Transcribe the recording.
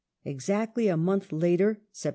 Exactly a month later (Sept.